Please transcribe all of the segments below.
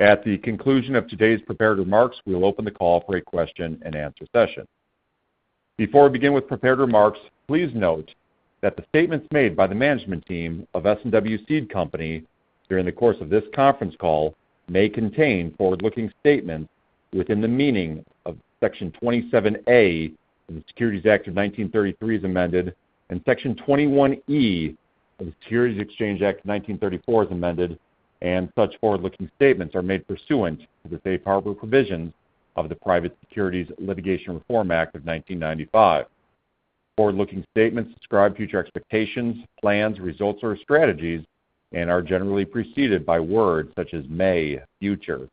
At the conclusion of today's prepared remarks, we will open the call for a question-and-answer session. Before we begin with prepared remarks, please note that the statements made by the management team of S&W Seed Company during the course of this conference call may contain forward-looking statements within the meaning of Section 27A of the Securities Act of 1933 as amended, and Section 21E of the Securities Exchange Act of 1934 as amended, and such forward-looking statements are made pursuant to the safe harbor provisions of the Private Securities Litigation Reform Act of 1995. Forward-looking statements describe future expectations, plans, results, or strategies and are generally preceded by words such as may, future,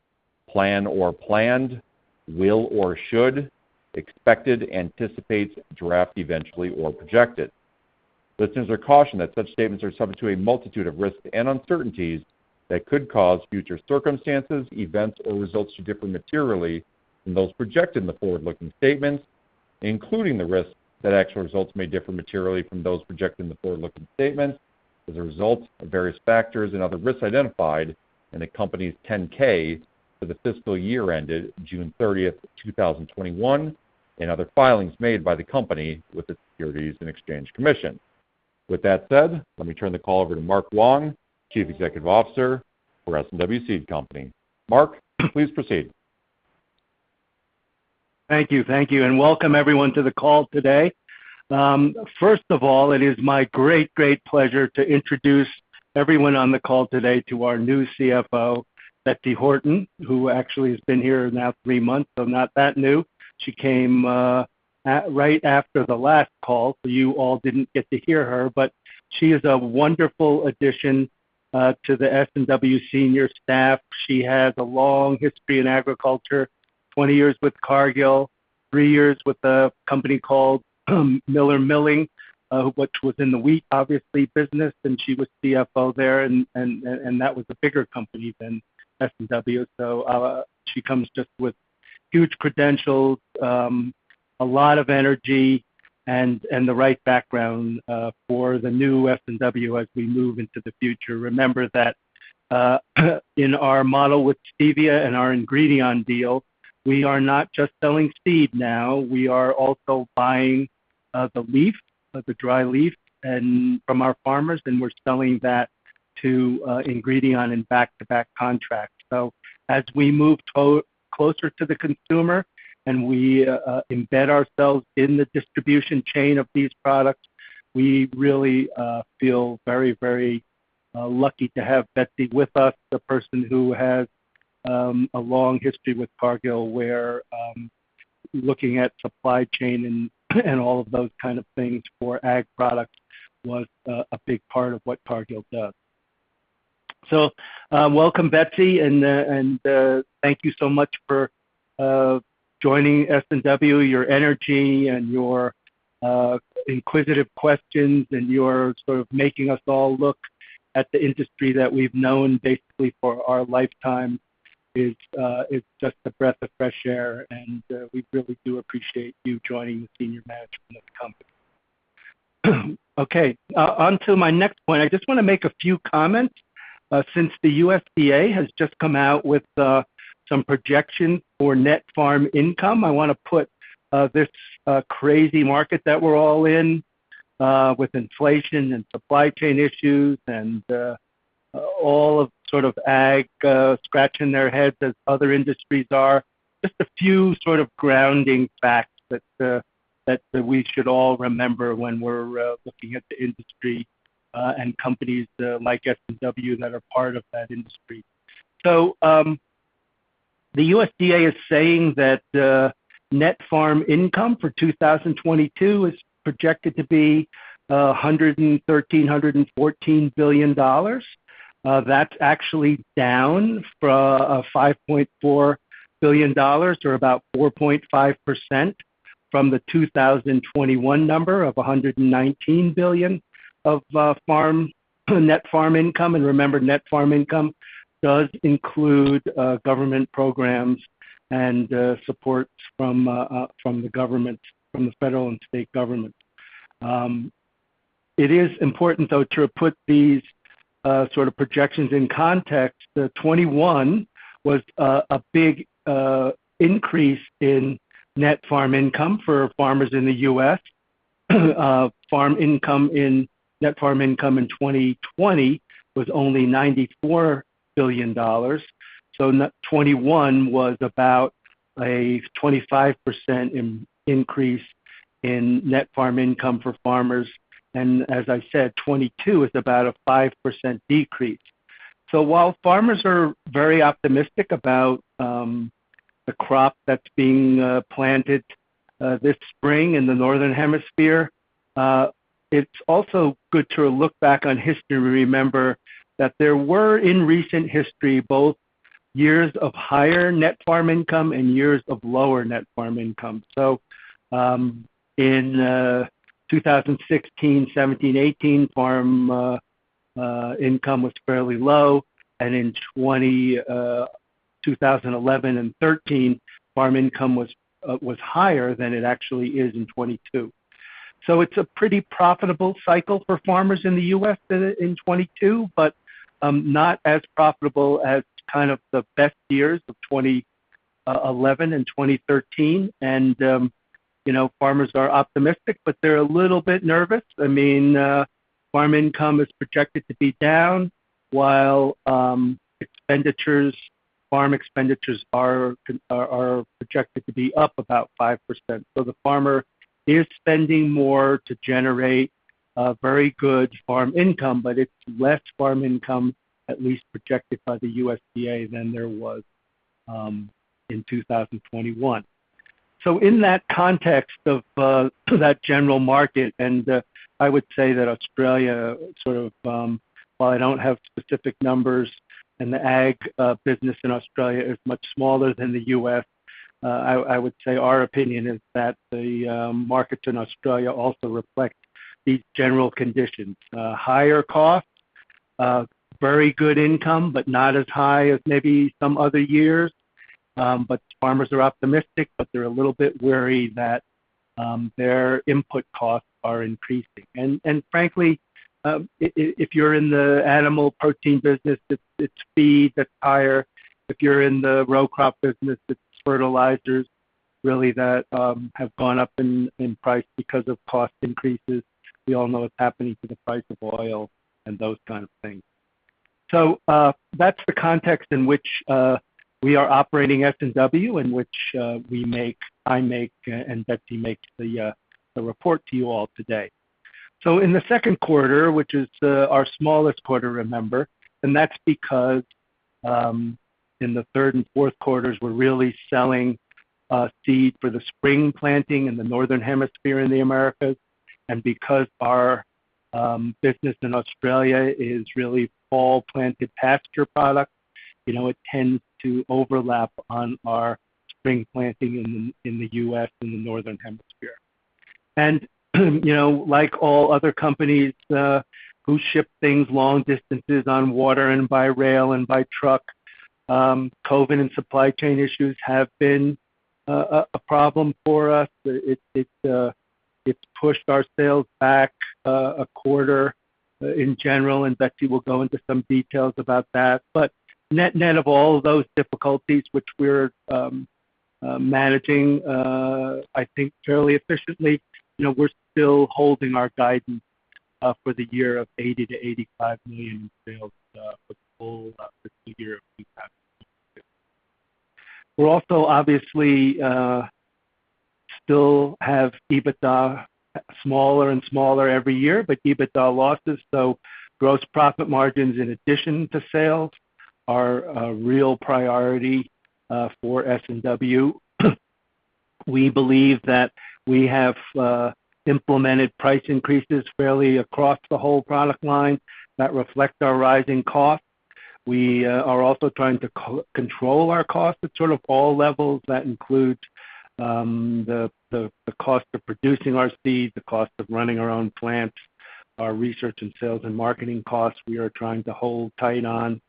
plan or planned, will or should, expected, anticipates, draft, eventually, or projected. Listeners are cautioned that such statements are subject to a multitude of risks and uncertainties that could cause future circumstances, events, or results to differ materially from those projected in the forward-looking statements, including the risk that actual results may differ materially from those projected in the forward-looking statements as a result of various factors and other risks identified in the company's 10-K for the fiscal year ended June 30, 2021, and other filings made by the company with the Securities and Exchange Commission. With that said, let me turn the call over to Mark Wong, Chief Executive Officer for S&W Seed Company. Mark, please proceed. Thank you. Thank you, and welcome everyone to the call today. First of all, it is my great pleasure to introduce everyone on the call today to our new CFO, Betsy Horton, who actually has been here now three months, so not that new. She came right after the last call, so you all didn't get to hear her. She is a wonderful addition to the S&W senior staff. She has a long history in agriculture. 20 years with Cargill, 3 years with a company called Miller Milling, which was in the wheat, obviously, business, and she was CFO there and that was a bigger company than S&W. She comes just with huge credentials, a lot of energy and the right background for the new S&W as we move into the future. Remember that, in our model with Stevia and our Ingredion deal, we are not just selling seed now. We are also buying the leaf, the dry leaf, from our farmers, and we're selling that to Ingredion in back-to-back contracts. As we move closer to the consumer and we embed ourselves in the distribution chain of these products, we really feel very lucky to have Betsy with us. A person who has a long history with Cargill, where looking at supply chain and all of those kind of things for ag products was a big part of what Cargill does. Welcome, Betsy, and thank you so much for joining S&W. Your energy and your inquisitive questions and your sort of making us all look at the industry that we've known basically for our lifetime is just a breath of fresh air, and we really do appreciate you joining the senior management of the company. Okay, onto my next point. I just wanna make a few comments. Since the USDA has just come out with some projections for net farm income, I wanna put this crazy market that we're all in with inflation and supply chain issues and all of sort of ag scratching their heads as other industries are. Just a few sort of grounding facts that we should all remember when we're looking at the industry and companies like S&W that are part of that industry. The USDA is saying that net farm income for 2022 is projected to be $113 billion-$114 billion. That's actually down $5.4 billion or about 4.5% from the 2021 number of $119 billion net farm income. Remember, net farm income does include government programs and supports from the federal and state government. It is important, though, to put these sort of projections in context. 2021 was a big increase in net farm income for farmers in the U.S. Net farm income in 2020 was only $94 billion. Net 2021 was about a 25% increase in net farm income for farmers. As I said, 2022 is about a 5% decrease. While farmers are very optimistic about the crop that's being planted this spring in the northern hemisphere, it's also good to look back on history to remember that there were, in recent history, both years of higher net farm income and years of lower net farm income. In 2016, 2017, 2018, farm income was fairly low, and in 2011 and 2013, farm income was higher than it actually is in 2022. It's a pretty profitable cycle for farmers in the U.S. in 2022, but not as profitable as kind of the best years of 2011 and 2013. You know, farmers are optimistic, but they're a little bit nervous. I mean, farm income is projected to be down while expenditures, farm expenditures are projected to be up about 5%. The farmer is spending more to generate very good farm income, but it's less farm income at least projected by the USDA than there was in 2021. In that context of that general market, and I would say that Australia sort of while I don't have specific numbers and the ag business in Australia is much smaller than the U.S., I would say our opinion is that the markets in Australia also reflect these general conditions. Higher costs, very good income, but not as high as maybe some other years. Farmers are optimistic, but they're a little bit wary that their input costs are increasing. Frankly, if you're in the animal protein business, it's feed that's higher. If you're in the row crop business, it's fertilizers really that have gone up in price because of cost increases. We all know what's happening to the price of oil and those kinds of things. That's the context in which we are operating S&W, in which I make and Betsy makes the report to you all today. In the Q2, which is our smallest quarter, remember, and that's because in the Q3 and Q4, we're really selling seed for the spring planting in the Northern Hemisphere in the Americas. Because our business in Australia is really fall-planted pasture product, you know, it tends to overlap on our spring planting in the U.S. in the Northern Hemisphere. Like all other companies who ship things long distances on water and by rail and by truck, COVID and supply chain issues have been a problem for us. It's pushed our sales back a quarter in general, and Betsy will go into some details about that. Net of all those difficulties, which we're managing, I think fairly efficiently, you know, we're still holding our guidance for the year of $80 million-$85 million sales for the whole year of 2022. We're also obviously still have EBITDA smaller and smaller every year, but EBITDA losses, so gross profit margins in addition to sales are a real priority for S&W. We believe that we have implemented price increases fairly across the whole product line that reflect our rising costs. We are also trying to control our costs at sort of all levels. That includes the cost of producing our seeds, the cost of running our own plants, our research and sales and marketing costs we are trying to hold tight on.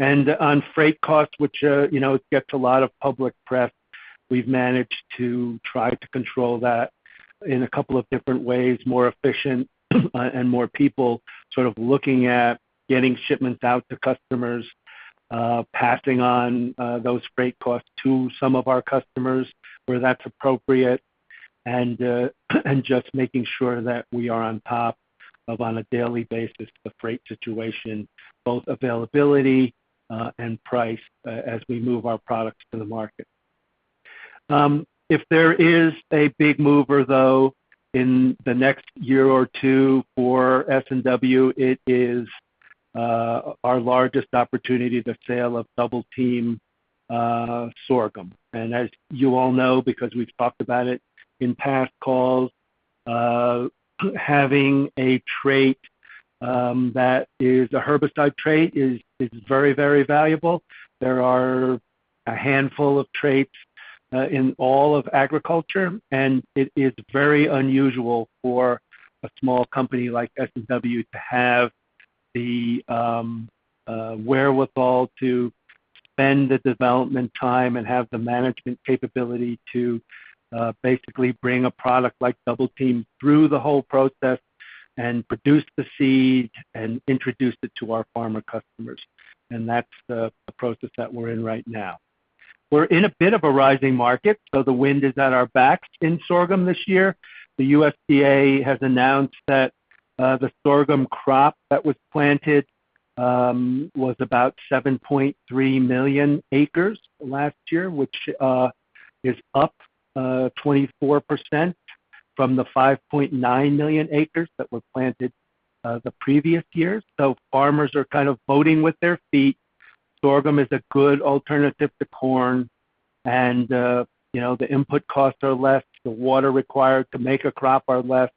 On freight costs, which, you know, gets a lot of public press, we've managed to try to control that in a couple of different ways, more efficient, and more people sort of looking at getting shipments out to customers, passing on those freight costs to some of our customers where that's appropriate, and just making sure that we are on top of on a daily basis the freight situation, both availability, and price as we move our products to the market. If there is a big mover, though, in the next year or two for S&W, it is our largest opportunity, the sale of Double Team sorghum. As you all know, because we've talked about it in past calls, having a trait that is a herbicide trait is very, very valuable. There are a handful of traits in all of agriculture, and it is very unusual for a small company like S&W to have the wherewithal to spend the development time and have the management capability to basically bring a product like Double Team through the whole process and produce the seed and introduce it to our farmer customers. That's the process that we're in right now. We're in a bit of a rising market, so the wind is at our backs in sorghum this year. The USDA has announced that the sorghum crop that was planted was about 7.3 million acres last year, which is up 24% from the 5.9 million acres that were planted the previous year. Farmers are kind of voting with their feet. Sorghum is a good alternative to corn and, you know, the input costs are less, the water required to make a crop are less,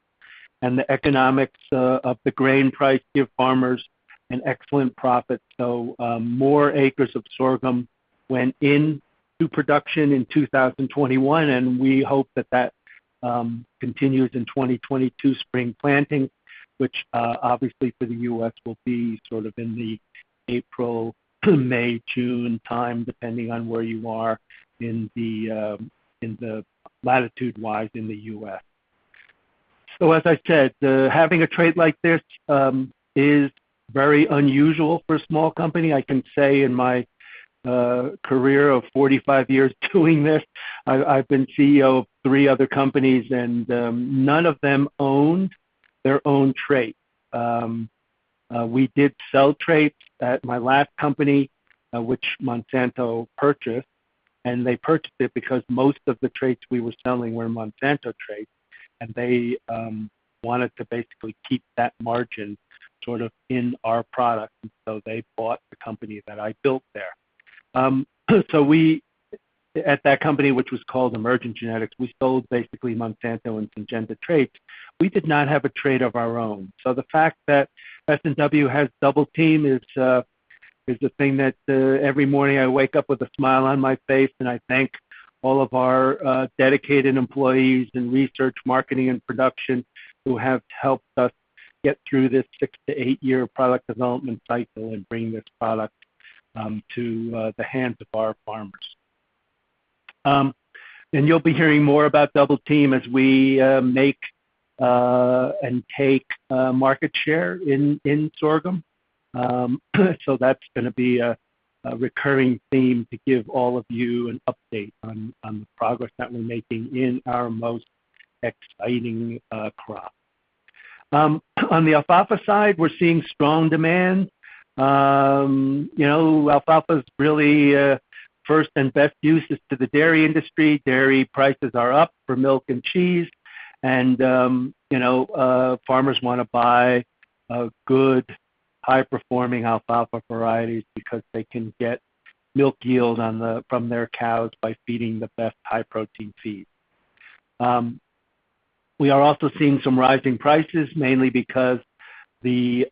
and the economics of the grain price give farmers an excellent profit. More acres of sorghum went into production in 2021, and we hope that continues in 2022 spring planting, which obviously for the U.S. will be sort of in the April, May, June time, depending on where you are in the latitude wise in the U.S. As I said, having a trait like this is very unusual for a small company. I can say in my career of 45 years doing this, I've been CEO of three other companies, and none of them owned their own trait. We did sell traits at my last company, which Monsanto purchased, and they purchased it because most of the traits we were selling were Monsanto traits, and they wanted to basically keep that margin sort of in our product. They bought the company that I built there. We, at that company, which was called Emergent Genetics, we sold basically Monsanto and Syngenta traits. We did not have a trait of our own. The fact that S&W has Double Team is the thing that every morning I wake up with a smile on my face, and I thank all of our dedicated employees in research, marketing, and production who have helped us get through this 6-8-year product development cycle and bring this product to the hands of our farmers. You'll be hearing more about Double Team as we make and take market share in sorghum. That's gonna be a recurring theme to give all of you an update on the progress that we're making in our most exciting crop. On the alfalfa side, we're seeing strong demand. You know, alfalfa's really first and best use is to the dairy industry. Dairy prices are up for milk and cheese, and you know farmers wanna buy a good high-performing alfalfa varieties because they can get milk yield from their cows by feeding the best high-protein feed. We are also seeing some rising prices, mainly because the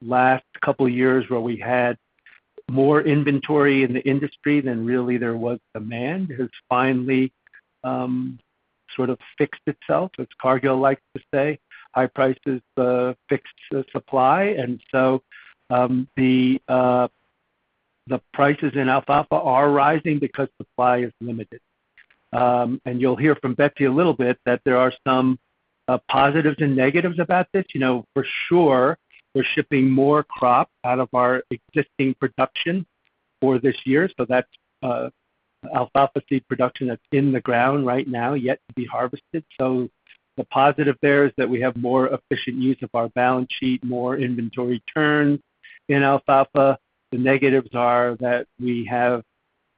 last couple years where we had more inventory in the industry than really there was demand has finally sort of fixed itself. As Cargill likes to say, high prices fixed the supply. The prices in alfalfa are rising because supply is limited. You'll hear from Betsy Horton a little bit that there are some positives and negatives about this. You know, for sure, we're shipping more crop out of our existing production for this year, so that's alfalfa seed production that's in the ground right now, yet to be harvested. The positive there is that we have more efficient use of our balance sheet, more inventory turns in alfalfa. The negatives are that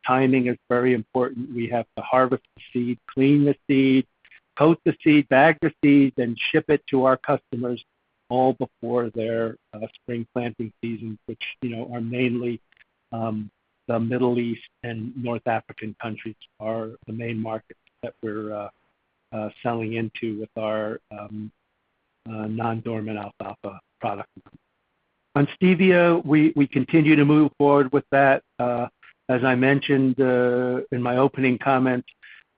timing is very important. We have to harvest the seed, clean the seed, coat the seed, bag the seed, then ship it to our customers all before their spring planting seasons, which, you know, are mainly the Middle East and North African countries are the main markets that we're selling into with our non-dormant alfalfa product. On Stevia, we continue to move forward with that. As I mentioned in my opening comments,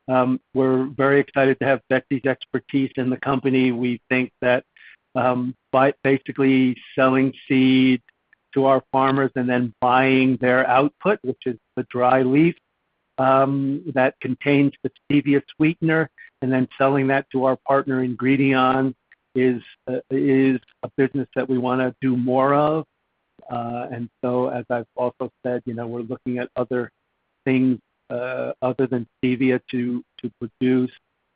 we are very excited to have Betsy's expertise in the company. We think that by basically selling seed to our farmers and then buying their output, which is the dry leaf that contains the Stevia sweetener, and then selling that to our partner Ingredion is a business that we wanna do more of. As I've also said, you know, we're looking at other things, other than Stevia to produce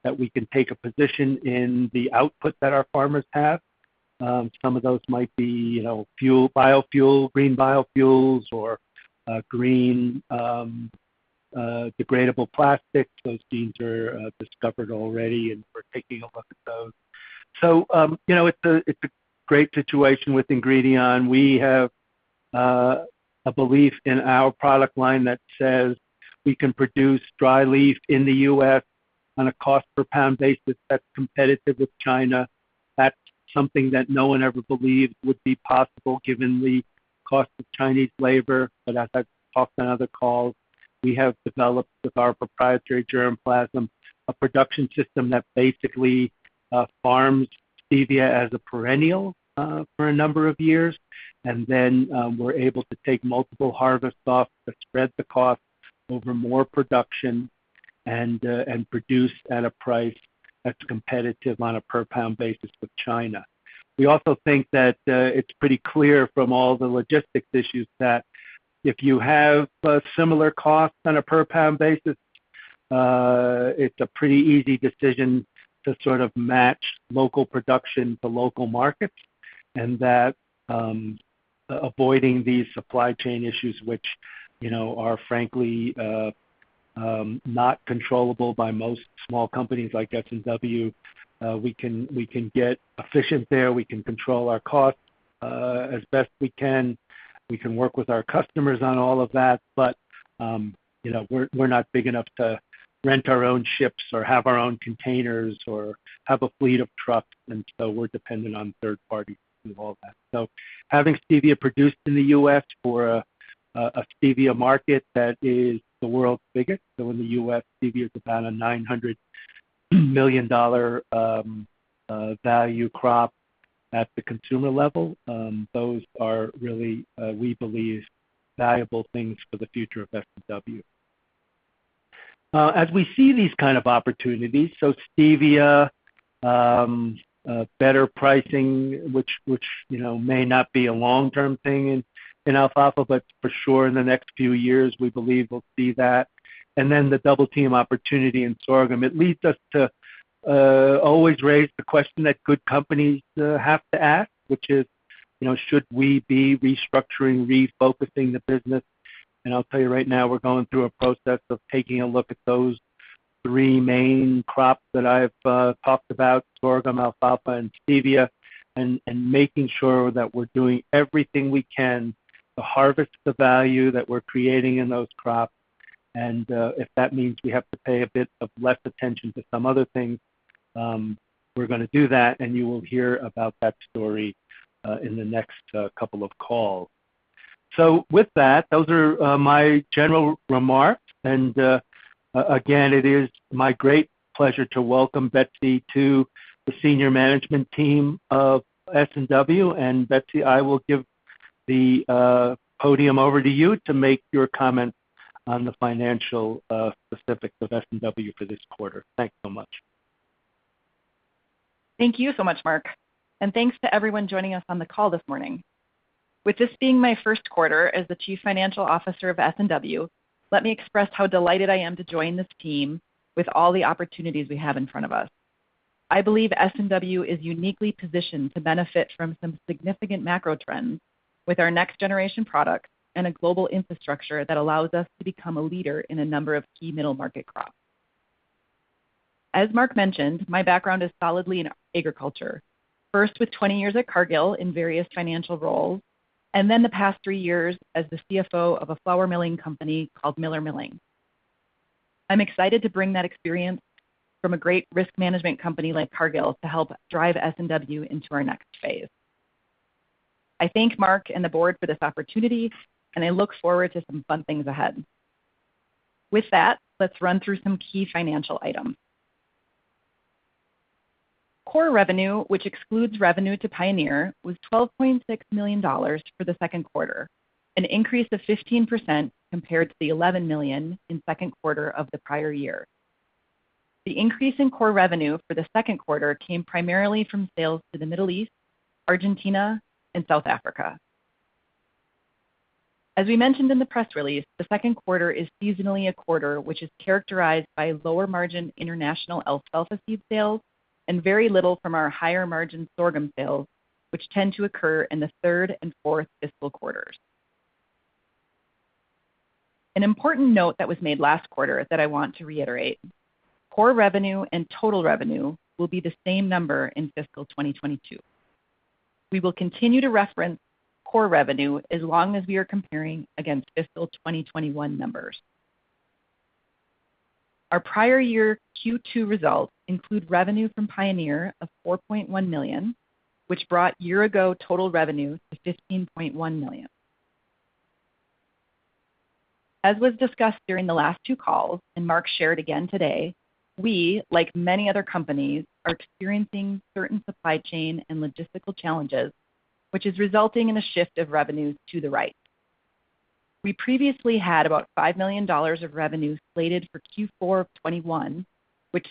that we can take a position in the output that our farmers have. Some of those might be, you know, fuel, biofuel, green biofuels, or green degradable plastics. Those genes are discovered already, and we're taking a look at those. You know, it's a great situation with Ingredion. We have a belief in our product line that says we can produce dry leaf in the U.S. on a cost per pound basis that's competitive with China. That's something that no one ever believed would be possible given the cost of Chinese labor. As I've talked on other calls, we have developed with our proprietary germplasm a production system that basically farms Stevia as a perennial for a number of years. Then we're able to take multiple harvests off to spread the cost over more production and produce at a price that's competitive on a per pound basis with China. We also think that it's pretty clear from all the logistics issues that if you have a similar cost on a per pound basis, it's a pretty easy decision to sort of match local production to local markets, and that avoiding these supply chain issues, which, you know, are frankly not controllable by most small companies like S&W. We can get efficient there. We can control our costs as best we can. We can work with our customers on all of that, but, you know, we're not big enough to rent our own ships or have our own containers or have a fleet of trucks, and so we're dependent on third parties to do all that. Having Stevia produced in the U.S. for a Stevia market that is the world's biggest. In the U.S., Stevia is about a $900 million value crop at the consumer level. Those are really, we believe, valuable things for the future of S&W. As we see these kind of opportunities, so Stevia, better pricing, which, you know, may not be a long-term thing in alfalfa, but for sure in the next few years, we believe we'll see that, and then the Double Team opportunity in sorghum. It leads us to always raise the question that good companies have to ask, which is, you know, should we be restructuring, refocusing the business? I'll tell you right now, we're going through a process of taking a look at those three main crops that I've talked about, sorghum, alfalfa, and stevia, and making sure that we're doing everything we can to harvest the value that we're creating in those crops. If that means we have to pay a bit of less attention to some other things, we're gonna do that, and you will hear about that story in the next couple of calls. With that, those are my general remarks. Again, it is my great pleasure to welcome Betsy to the senior management team of S&W. Betsy, I will give the podium over to you to make your comments on the financial specifics of S&W for this quarter. Thanks so much. Thank you so much, Mark, and thanks to everyone joining us on the call this morning. With this being my Q1 as the Chief Financial Officer of S&W, let me express how delighted I am to join this team with all the opportunities we have in front of us. I believe S&W is uniquely positioned to benefit from some significant macro trends with our next generation products and a global infrastructure that allows us to become a leader in a number of key middle market crops. As Mark mentioned, my background is solidly in agriculture, first with 20 years at Cargill in various financial roles, and then the past 3 years as the CFO of a flour milling company called Miller Milling. I'm excited to bring that experience from a great risk management company like Cargill to help drive S&W into our next phase. I thank Mark and the board for this opportunity, and I look forward to some fun things ahead. With that, let's run through some key financial items. Core revenue, which excludes revenue to Pioneer, was $12.6 million for the Q2, an increase of 15% compared to the $11 million in Q2 of the prior year. The increase in core revenue for the Q2 came primarily from sales to the Middle East, Argentina, and South Africa. As we mentioned in the press release, the Q2 is seasonally a quarter which is characterized by lower margin international alfalfa seed sales and very little from our higher margin sorghum sales, which tend to occur in the third and fourth fiscal quarters. An important note that was made last quarter that I want to reiterate: Core revenue and total revenue will be the same number in fiscal 2022. We will continue to reference core revenue as long as we are comparing against fiscal 2021 numbers. Our prior year Q2 results include revenue from Pioneer of $4.1 million, which brought year-ago total revenue to $15.1 million. As was discussed during the last two calls, and Mark shared again today, we, like many other companies, are experiencing certain supply chain and logistical challenges, which is resulting in a shift of revenues to the right. We previously had about $5 million of revenue slated for Q4 of 2021, which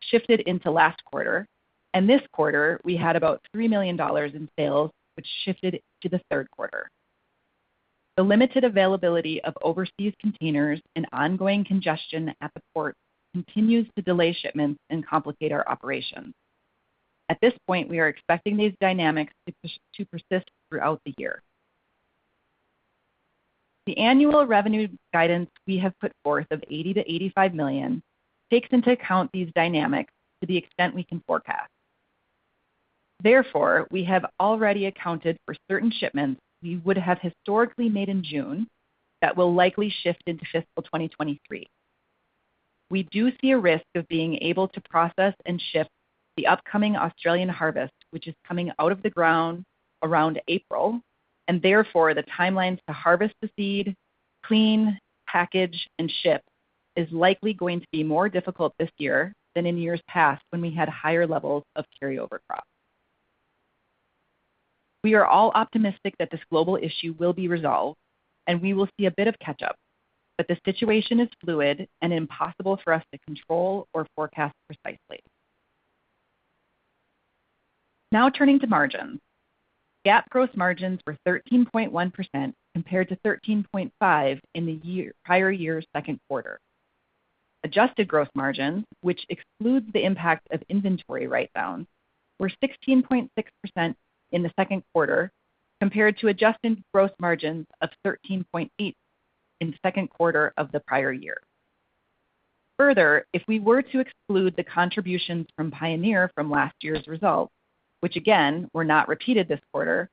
shifted into last quarter, and this quarter we had about $3 million in sales, which shifted to the Q3. The limited availability of overseas containers and ongoing congestion at the port continues to delay shipments and complicate our operations. At this point, we are expecting these dynamics to persist throughout the year. The annual revenue guidance we have put forth of $80 million-$85 million takes into account these dynamics to the extent we can forecast. Therefore, we have already accounted for certain shipments we would have historically made in June that will likely shift into fiscal 2023. We do see a risk of being able to process and ship the upcoming Australian harvest, which is coming out of the ground around April, and therefore the timelines to harvest the seed, clean, package, and ship is likely going to be more difficult this year than in years past when we had higher levels of carryover crop. We are all optimistic that this global issue will be resolved and we will see a bit of catch-up, but the situation is fluid and impossible for us to control or forecast precisely. Now turning to margins. GAAP gross margins were 13.1% compared to 13.5% in the year-prior year's Q2. Adjusted gross margins, which excludes the impact of inventory write-downs, were 16.6% in the Q2 compared to adjusted gross margins of 13.8% in Q2 of the prior year. Further, if we were to exclude the contributions from Pioneer from last year's results, which again were not repeated this quarter,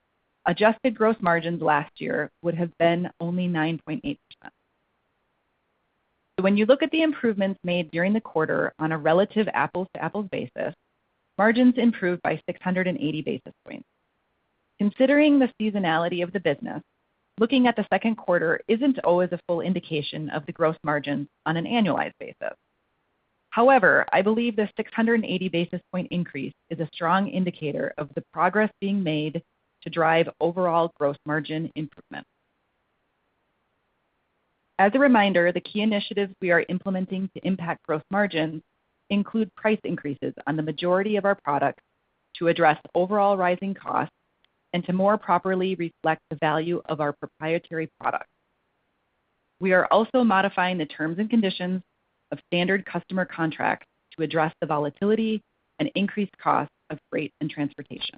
adjusted gross margins last year would have been only 9.8%. When you look at the improvements made during the quarter on a relative apples-to-apples basis, margins improved by 680 basis points. Considering the seasonality of the business, looking at the Q2 isn't always a full indication of the growth margin on an annualized basis. However, I believe the 680 basis point increase is a strong indicator of the progress being made to drive overall growth margin improvement. As a reminder, the key initiatives we are implementing to impact growth margins include price increases on the majority of our products to address overall rising costs and to more properly reflect the value of our proprietary products. We are also modifying the terms and conditions of standard customer contracts to address the volatility and increased costs of freight and transportation.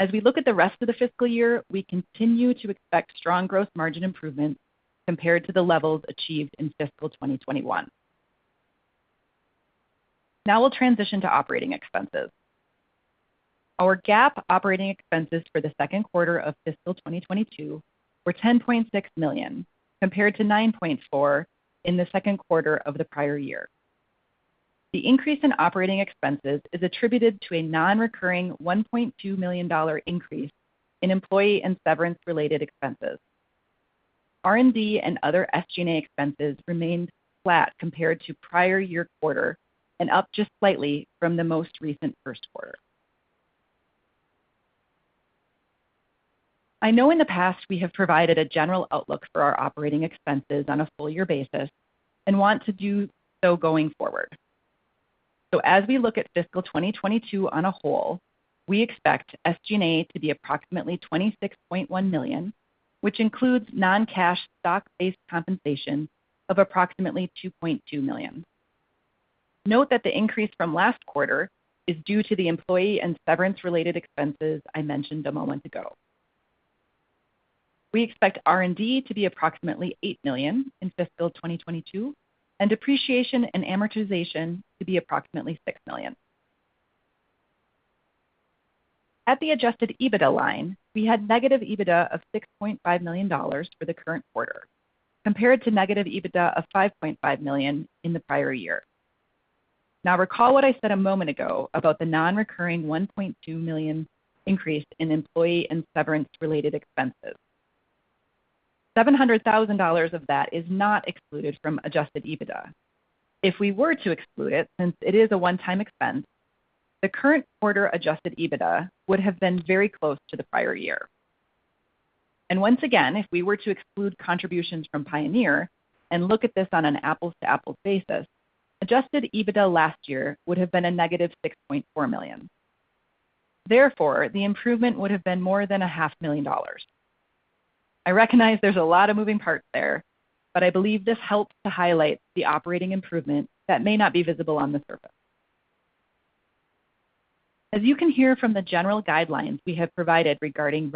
As we look at the rest of the fiscal year, we continue to expect strong growth margin improvement compared to the levels achieved in fiscal 2021. Now we'll transition to operating expenses. Our GAAP operating expenses for the Q2 of fiscal 2022 were $10.6 million, compared to $9.4 million in the Q2 of the prior year. The increase in operating expenses is attributed to a non-recurring $1.2 million increase in employee and severance-related expenses. R&D and other SG&A expenses remained flat compared to prior year quarter and up just slightly from the most recent Q1. I know in the past we have provided a general outlook for our operating expenses on a full year basis and want to do so going forward. As we look at fiscal 2022 as a whole, we expect SG&A to be approximately $26.1 million, which includes non-cash stock-based compensation of approximately $2.2 million. Note that the increase from last quarter is due to the employee and severance-related expenses I mentioned a moment ago. We expect R&D to be approximately $8 million in fiscal 2022, and depreciation and amortization to be approximately $6 million. At the adjusted EBITDA line, we had negative EBITDA of $6.5 million for the current quarter, compared to negative EBITDA of $5.5 million in the prior year. Now, recall what I said a moment ago about the non-recurring $1.2 million increase in employee and severance-related expenses. $700,000 of that is not excluded from adjusted EBITDA. If we were to exclude it, since it is a one-time expense, the current quarter adjusted EBITDA would have been very close to the prior year. Once again, if we were to exclude contributions from Pioneer and look at this on an apples-to-apples basis, adjusted EBITDA last year would have been a negative $6.4 million. Therefore, the improvement would have been more than a half million dollars. I recognize there's a lot of moving parts there, but I believe this helps to highlight the operating improvement that may not be visible on the surface. As you can hear from the general guidelines we have provided regarding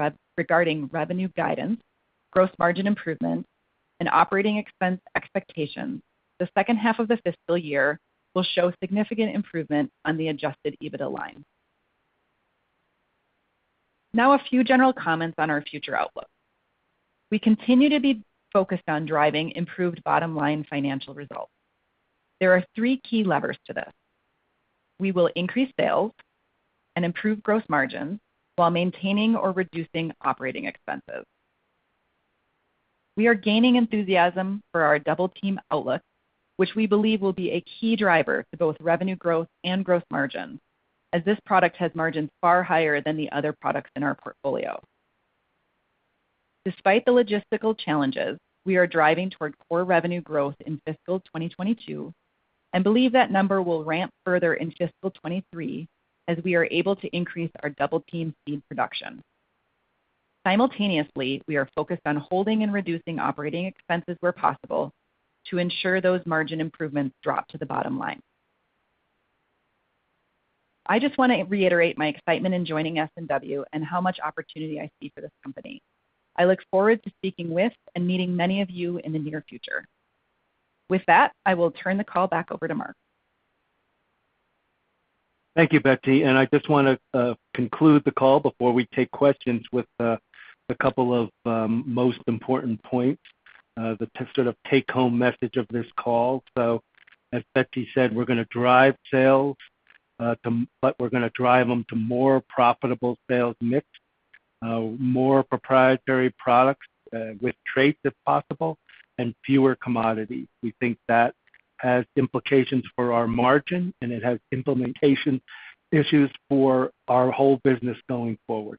revenue guidance, gross margin improvements, and operating expense expectations, the second half of the fiscal year will show significant improvement on the adjusted EBITDA line. Now a few general comments on our future outlook. We continue to be focused on driving improved bottom-line financial results. There are three key levers to this. We will increase sales and improve gross margins while maintaining or reducing operating expenses. We are gaining enthusiasm for our Double Team outlook, which we believe will be a key driver to both revenue growth and gross margin, as this product has margins far higher than the other products in our portfolio. Despite the logistical challenges, we are driving toward core revenue growth in fiscal 2022 and believe that number will ramp further in fiscal 2023 as we are able to increase our Double Team seed production. Simultaneously, we are focused on holding and reducing operating expenses where possible to ensure those margin improvements drop to the bottom line. I just want to reiterate my excitement in joining S&W and how much opportunity I see for this company. I look forward to speaking with and meeting many of you in the near future. With that, I will turn the call back over to Mark. Thank you, Betsy. I just want to conclude the call before we take questions with a couple of most important points, the sort of take-home message of this call. As Betsy said, we're going to drive sales, but we're going to drive them to more profitable sales mix, more proprietary products, with traits if possible, and fewer commodities. We think that has implications for our margin, and it has implementation issues for our whole business going forward.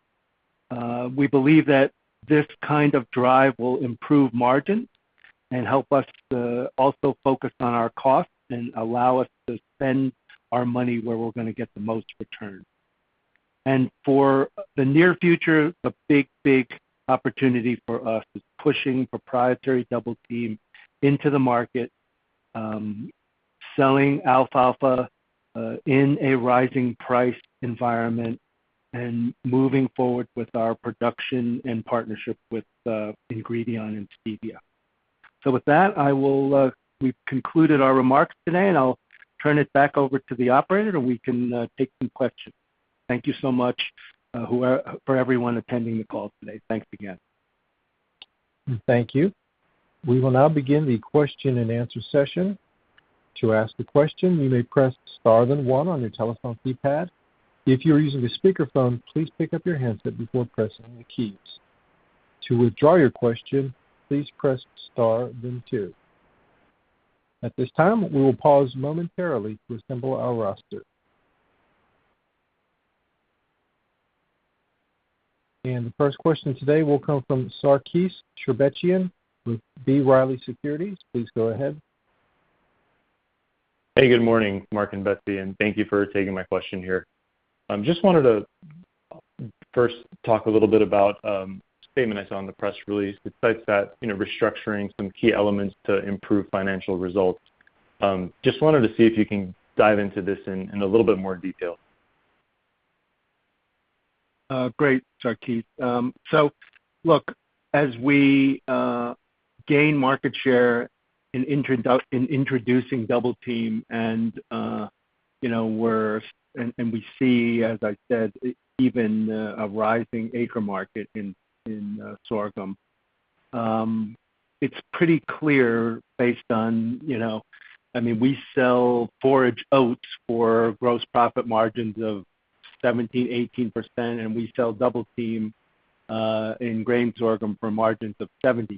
We believe that this kind of drive will improve margins and help us to also focus on our costs and allow us to spend our money where we're going to get the most return. For the near future, the big, big opportunity for us is pushing proprietary Double Team into the market, selling alfalfa in a rising price environment, and moving forward with our production and partnership with Ingredion and Stevia. With that, we've concluded our remarks today, and I'll turn it back over to the operator, and we can take some questions. Thank you so much for everyone attending the call today. Thanks again. Thank you. We will now begin the question-and-answer session. To ask a question, you may press Star then one on your telephone keypad. If you're using a speakerphone, please pick up your handset before pressing the keys. To withdraw your question, please press Star then two. At this time, we will pause momentarily to assemble our roster. The first question today will come from Sarkis Sherbetchyan with B. Riley Securities. Please go ahead. Hey, good morning, Mark and Betsy, and thank you for taking my question here. Just wanted to first talk a little bit about a statement I saw on the press release. It states that, you know, restructuring some key elements to improve financial results. Just wanted to see if you can dive into this in a little bit more detail. Great, Sarkis. So look, as we gain market share in introducing Double Team and, you know, we see, as I said, even a rising acre market in sorghum. It's pretty clear based on, you know, I mean, we sell forage oats for gross profit margins of 17%-18%, and we sell Double Team in grain sorghum for margins of 70%.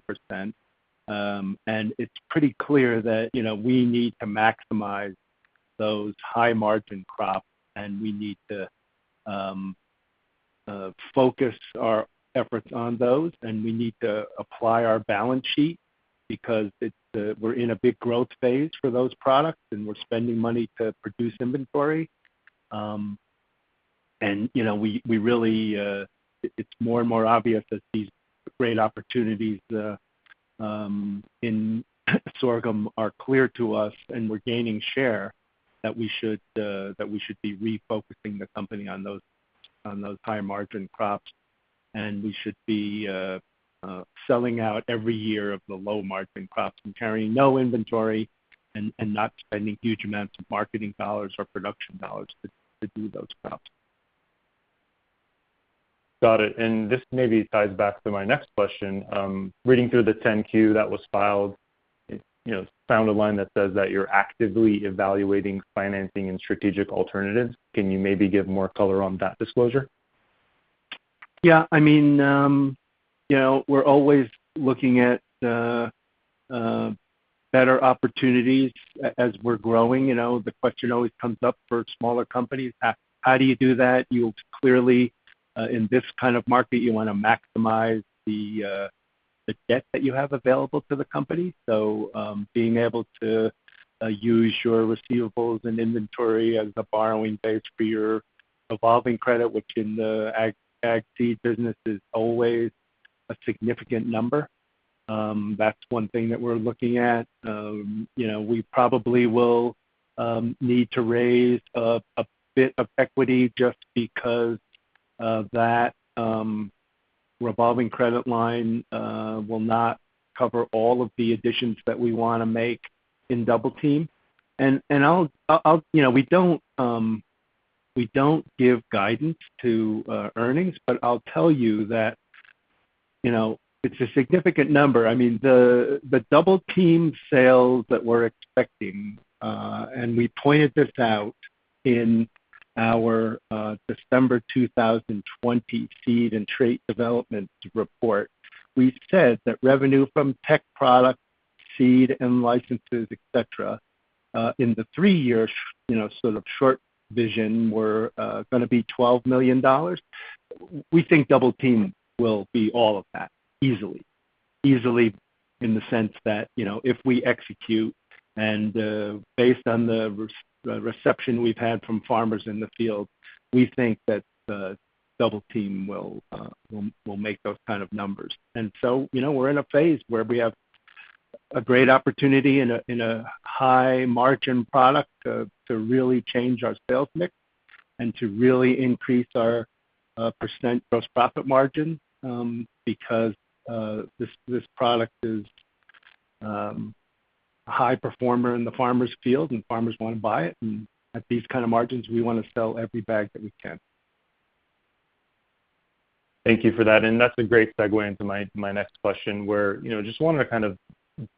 It's pretty clear that, you know, we need to maximize those high-margin crops, and we need to focus our efforts on those, and we need to apply our balance sheet because we're in a big growth phase for those products, and we're spending money to produce inventory. You know, we really. It's more and more obvious that these great opportunities in sorghum are clear to us and we're gaining share that we should be refocusing the company on those high-margin crops. We should be selling out every year of the low-margin crops and carrying no inventory and not spending huge amounts of marketing dollars or production dollars to do those crops. Got it. This maybe ties back to my next question. Reading through the 10-Q that was filed, you know, found a line that says that you're actively evaluating financing and strategic alternatives. Can you maybe give more color on that disclosure? Yeah. I mean, you know, we're always looking at better opportunities as we're growing. You know, the question always comes up for smaller companies. How do you do that? You'll clearly, in this kind of market, you wanna maximize the debt that you have available to the company. Being able to use your receivables and inventory as the borrowing base for your revolving credit, which in the ag seed business is always a significant number. That's one thing that we're looking at. You know, we probably will need to raise a bit of equity just because of that revolving credit line will not cover all of the additions that we wanna make in Double Team. I'll You know, we don't give guidance to earnings, but I'll tell you that, you know, it's a significant number. I mean, the Double Team sales that we're expecting, and we pointed this out in our December 2020 seed and trait development report. We said that revenue from tech products, seed and licenses, et cetera, in the three-year, you know, sort of short vision were gonna be $12 million. We think Double Team will be all of that easily. Easily in the sense that, you know, if we execute and, based on the reception we've had from farmers in the field, we think that, Double Team will make those kind of numbers. You know, we're in a phase where we have a great opportunity in a high-margin product to really change our sales mix and to really increase our gross profit margin %, because this product is a high performer in the farmer's field and farmers wanna buy it. At these kind of margins, we wanna sell every bag that we can. Thank you for that. That's a great segue into my next question where, you know, just wanted to kind of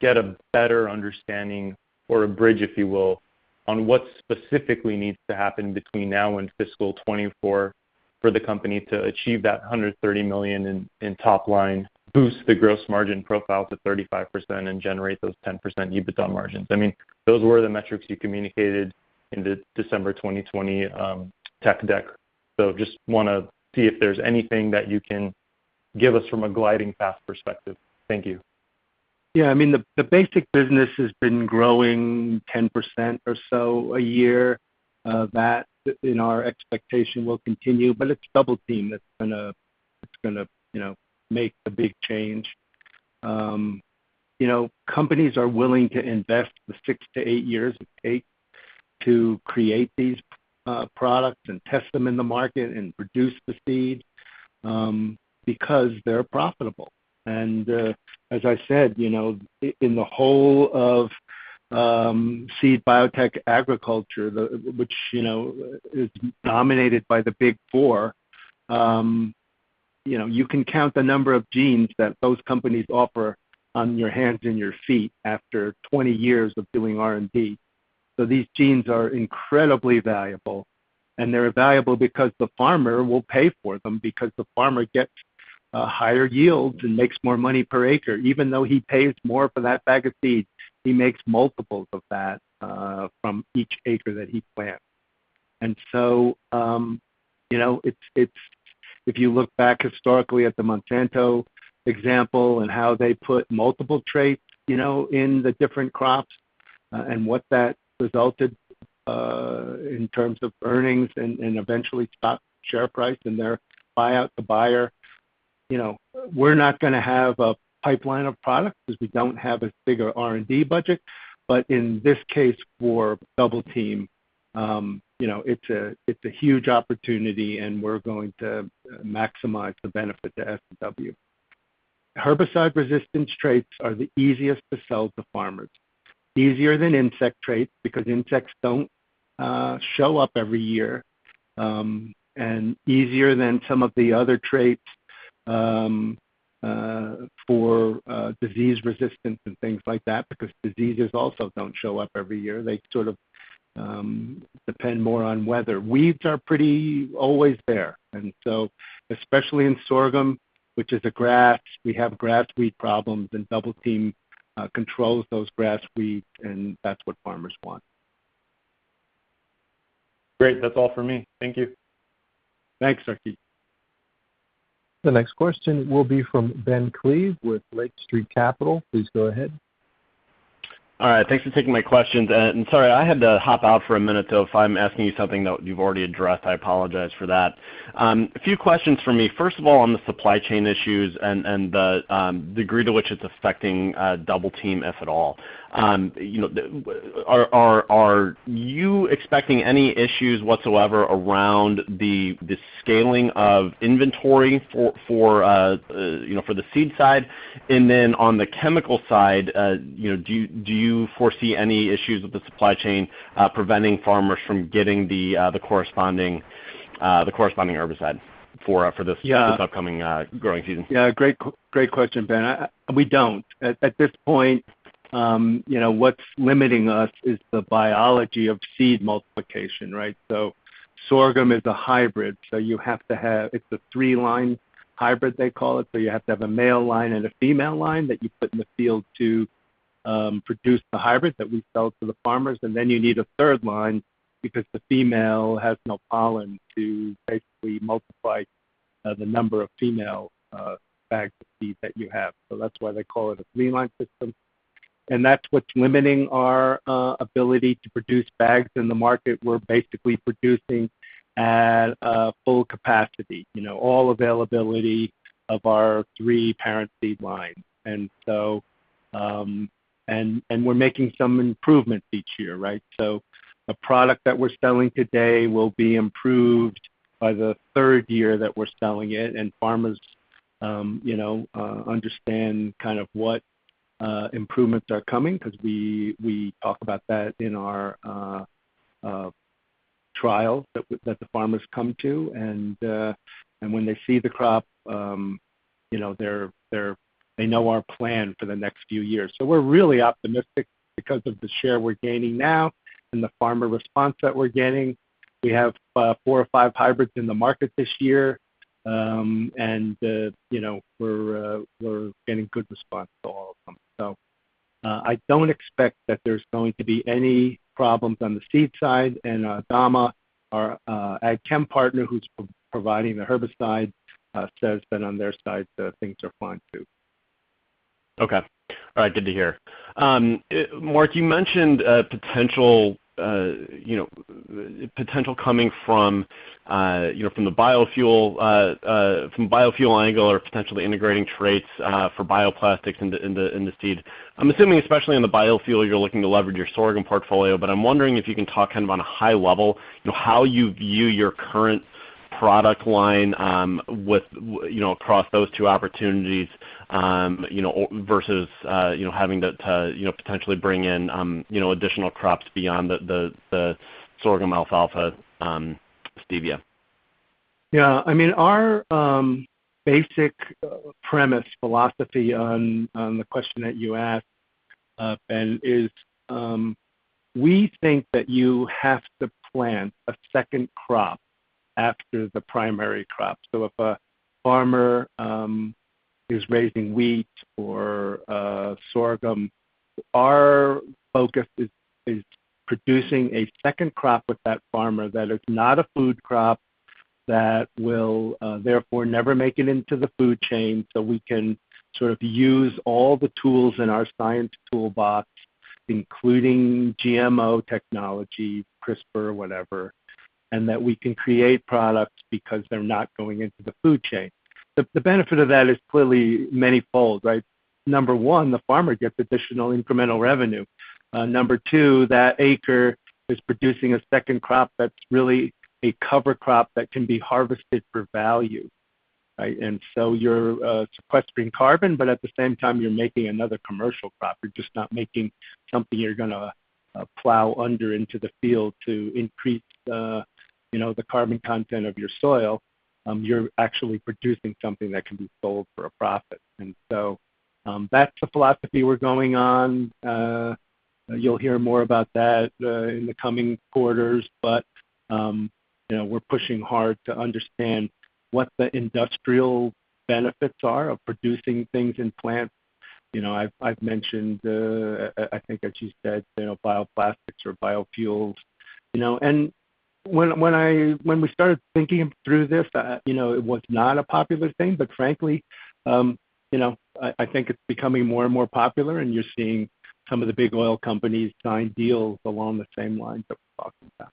get a better understanding or a bridge, if you will, on what specifically needs to happen between now and fiscal 2024 for the company to achieve that $130 million in top line, boost the gross margin profile to 35% and generate those 10% EBITDA margins. I mean, those were the metrics you communicated in the December 2020 tech deck. Just wanna see if there's anything that you can give us from a glide path perspective. Thank you. Yeah. I mean, the basic business has been growing 10% or so a year. That in our expectation will continue, but it's Double Team that's gonna, you know, make the big change. You know, companies are willing to invest the 6-8 years it takes to create these products and test them in the market and produce the seed because they're profitable. As I said, you know, in the whole of seed biotech agriculture, which, you know, is dominated by the big four, you know, you can count the number of genes that those companies offer on your hands and your feet after 20 years of doing R&D. So these genes are incredibly valuable, and they're valuable because the farmer will pay for them because the farmer gets higher yields and makes more money per acre. Even though he pays more for that bag of seed, he makes multiples of that from each acre that he plants. If you look back historically at the Monsanto example and how they put multiple traits in the different crops and what that resulted in terms of earnings and eventually stock share price and their buyout, the buyer, we're not gonna have a pipeline of products because we don't have as big a R&D budget. In this case, for Double Team, it's a huge opportunity, and we're going to maximize the benefit to SW. Herbicide-resistant traits are the easiest to sell to farmers, easier than insect traits because insects don't show up every year, and easier than some of the other traits for disease resistance and things like that because diseases also don't show up every year. They sort of depend more on weather. Weeds are pretty always there. Especially in sorghum, which is a grass, we have grass weed problems, and Double Team controls those grass weeds, and that's what farmers want. Great. That's all for me. Thank you. Thanks, Sarkis. The next question will be from Ben Klieve with Lake Street Capital. Please go ahead. All right. Thanks for taking my questions. Sorry, I had to hop out for a minute, so if I'm asking you something that you've already addressed, I apologize for that. A few questions from me. First of all, on the supply chain issues and the degree to which it's affecting Double Team, if at all. Are you expecting any issues whatsoever around the scaling of inventory for the seed side? And then on the chemical side, do you foresee any issues with the supply chain preventing farmers from getting the corresponding herbicide for? Yeah... for this upcoming, growing season? Yeah. Great question, Ben. We don't. At this point, you know, what's limiting us is the biology of seed multiplication, right? Sorghum is a hybrid. It's a three-line hybrid, they call it, so you have to have a male line and a female line that you put in the field to produce the hybrid that we sell to the farmers. Then you need a third line because the female has no pollen to basically multiply the number of female bags of seed that you have. That's why they call it a three-line system. That's what's limiting our ability to produce bags in the market. We're basically producing at full capacity, you know, all availability of our three parent seed lines. We're making some improvements each year, right? A product that we're selling today will be improved by the third year that we're selling it. Farmers, you know, understand kind of what improvements are coming because we talk about that in our trials that the farmers come to. When they see the crop, you know, they know our plan for the next few years. We're really optimistic because of the share we're gaining now and the farmer response that we're getting. We have four or five hybrids in the market this year. You know, we're getting good response to all of them. I don't expect that there's going to be any problems on the seed side. ADAMA, our chem partner who's providing the herbicide, says that on their side, things are fine too. Okay. All right, good to hear. Mark, you mentioned potential coming from, you know, from the biofuel angle or potentially integrating traits for bioplastics in the seed. I'm assuming, especially in the biofuel, you're looking to leverage your sorghum portfolio, but I'm wondering if you can talk kind of on a high level, you know, how you view your current product line with, you know, across those two opportunities, you know, or versus, you know, having to potentially bring in, you know, additional crops beyond the sorghum, alfalfa, Stevia. Yeah. I mean, our basic premise, philosophy on the question that you asked, Ben, is we think that you have to plant a second crop after the primary crop. If a farmer is raising wheat or sorghum, our focus is producing a second crop with that farmer that is not a food crop that will therefore never make it into the food chain, so we can sort of use all the tools in our science toolbox, including GMO technology, CRISPR, whatever, and that we can create products because they're not going into the food chain. The benefit of that is clearly manifold, right? Number one, the farmer gets additional incremental revenue. Number two, that acre is producing a second crop that's really a cover crop that can be harvested for value. Right? You're sequestering carbon, but at the same time you're making another commercial crop. You're just not making something you're gonna plow under into the field to increase, you know, the carbon content of your soil. You're actually producing something that can be sold for a profit. That's the philosophy we're going on. You'll hear more about that in the coming quarters, but you know, we're pushing hard to understand what the industrial benefits are of producing things in plants. You know, I've mentioned I think as you said, you know, bioplastics or biofuels, you know. When we started thinking through this, you know, it was not a popular thing. Frankly, you know, I think it's becoming more and more popular, and you're seeing some of the big oil companies sign deals along the same lines that we're talking about.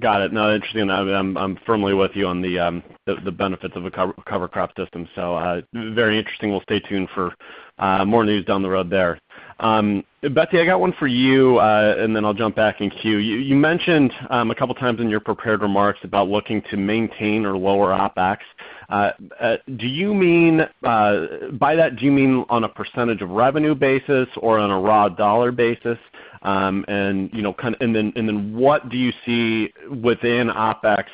Got it. No, interesting. I'm firmly with you on the benefits of a cover crop system. Very interesting. We'll stay tuned for more news down the road there. Betsy, I got one for you, and then I'll jump back in queue. You mentioned a couple times in your prepared remarks about looking to maintain or lower OpEx. Do you mean by that, do you mean on a percentage of revenue basis or on a raw dollar basis? You know, kind of. What do you see within OpEx